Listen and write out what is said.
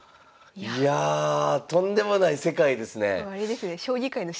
いやとんでもない世界ですね。